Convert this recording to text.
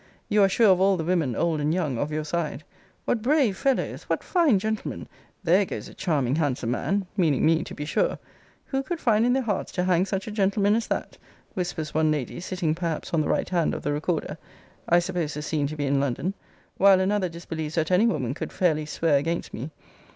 You are sure of all the women, old and young, of your side. What brave fellows! what fine gentlemen! There goes a charming handsome man! meaning me, to be sure! who could find in their hearts to hang such a gentleman as that? whispers one lady, sitting perhaps on the right hand of the recorder: [I suppose the scene to be in London:] while another disbelieves that any woman could fairly swear against me.